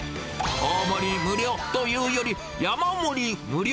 大盛り無料というより、山盛り無料。